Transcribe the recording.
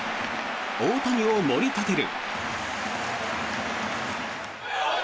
大谷をもり立てる。